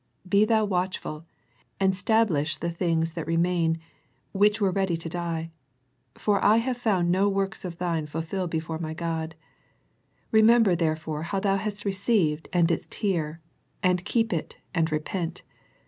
Be thou watchful, and stablish the things that re main, which were ready to die: for I have found no works of thine fulfilled before My God. Re member therefore how thou hast received and didst hear; and keep it, and repent.